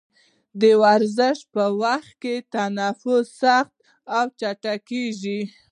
د ورزش په وخت کې تنفس سخت او چټکېږي.